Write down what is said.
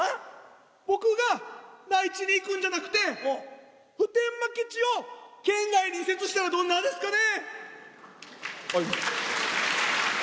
僕が内地に行くんじゃなくて普天間基地を県外に移設したらどんがですかね？